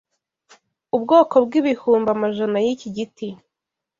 Ubwoko bwibihumbi amajana yiki giti